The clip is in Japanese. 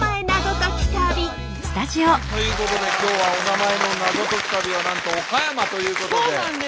はいということで今日はおなまえのナゾ解き旅はなんと岡山ということで。